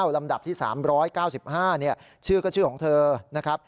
ลำดับที่๓๙๕ชื่อก็ชื่อของเธอนะครับ